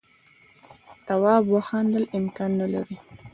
تواب وخندل امکان نه لري.